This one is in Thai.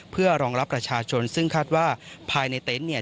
เพื่อรองรับประชาชนซึ่งคาดว่าภายในเต็นต์เนี่ย